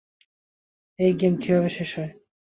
এই গেম কিভাবে শেষ হয়?